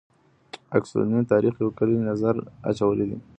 اګوستین تاریخ ته یو کلی نظر اچولی دی.